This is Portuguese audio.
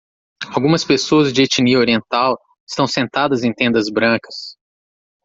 Algumas pessoas de etnia oriental estão sentadas em tendas brancas.